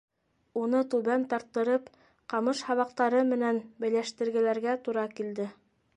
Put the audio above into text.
Уны, түбән тарттырып, ҡамыш һабаҡтары менән бәйләштергеләргә тура килде.